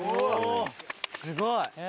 すごい。